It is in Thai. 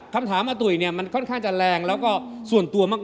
คำถามอาตุ๋ยเนี่ยมันค่อนข้างจะแรงแล้วก็ส่วนตัวมาก